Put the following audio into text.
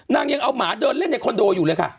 นางยังเอาหมาเดินเล่นในคอนโดอยู่เลยค่ะ